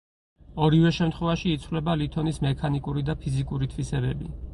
ორივე შემთხვევაში იცვლება ლითონის მექანიკური და ფიზიკური თვისებები.